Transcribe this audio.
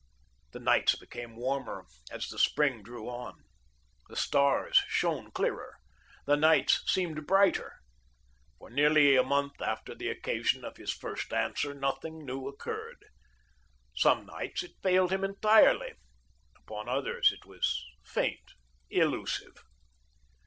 The nights became warmer as the spring drew on. The stars shone clearer. The nights seemed brighter. For nearly a month after the occasion of his first answer nothing new occurred. Some nights it failed him entirely; upon others it was faint, illusive.